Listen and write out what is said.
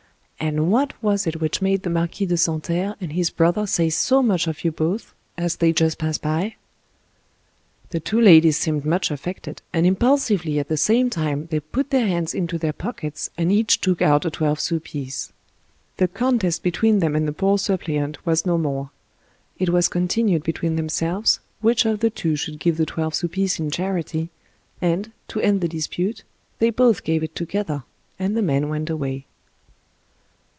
And what was it which made the Marquis de Santerre and his brother say so much of you both, as they just passed by ?" The two ladies seemed much affected, and impulsively at the same time they put their hands into their pockets and each took out a twelve sous piece. The contest between them and the poor suppliant was no more. It was continued between themselves which of the two should give the twelve sous piece in charity, and, to end the dispute, they both gave it together, and the man went away.